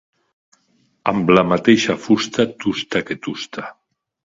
Amb la mateixa fusta, tusta que tusta.